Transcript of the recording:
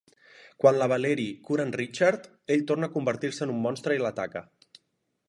Quan la Valerie cura en Richard, ell torna a convertir-se en un monstre i l'ataca.